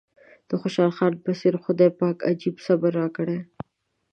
د خوشحال خان په څېر خدای پاک عجيب صبر راکړی.